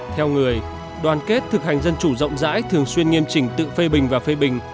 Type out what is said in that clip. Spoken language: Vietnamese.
theo người đoàn kết thực hành dân chủ rộng rãi thường xuyên nghiêm trình tự phê bình và phê bình